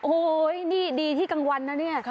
โอ้โหนี่ดีที่กลางวันนะเนี่ย